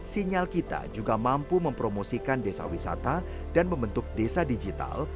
sinyal kita juga mampu mempromosikan desa wisata dan membentuk desa digital